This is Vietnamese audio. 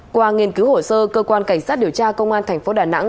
qua nghiên cứu hồ sơ cơ quan cảnh sát điều tra công an thành phố đà nẵng